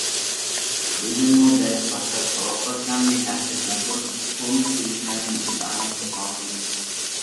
بۈگۈنمۇ دەرس تاشلاپ ساۋاقداشلارنى ھەرىكەتلەندۈرۈپ تونۇش-بىلىشلەردىن ئىئانە توپلاۋاتىمىز.